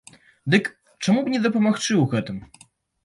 Дык чаму б не дапамагчы ў гэтым?